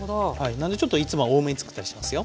なんでちょっといつもは多めにつくったりしますよ。